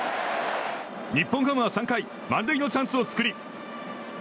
日本ハムは３回満塁のチャンスを作り